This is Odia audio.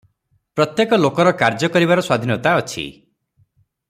ପ୍ରତ୍ୟେକ ଲୋକର କାର୍ଯ୍ୟ କରିବାର ସ୍ୱାଧୀନତା ଅଛି ।